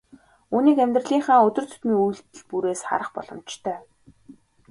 Үүнийг амьдралынхаа өдөр тутмын үйлдэл бүрээс харах боломжтой.